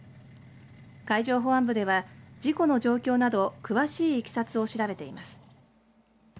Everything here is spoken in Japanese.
海上保安部では事故の状況など詳しいいきさつを調べています。